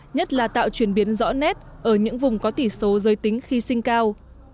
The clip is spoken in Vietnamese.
nhất là tạo chuyển biến rõ nét ở những vùng có tỷ số giới tính khi sinh cao